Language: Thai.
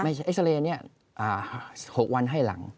ไม่ใช่เอ็กซ์เรย์นี่๖วันให้หลัง